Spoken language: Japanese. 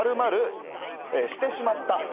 「○○してしまった」